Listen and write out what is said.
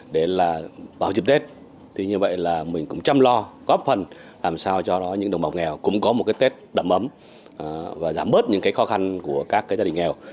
để vào dịp tết mình cũng chăm lo góp phần làm sao cho những đồng bào nghèo cũng có một tết đậm ấm và giảm bớt những khó khăn của các gia đình nghèo